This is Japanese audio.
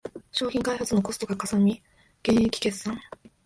商品開発のコストがかさみ減益決算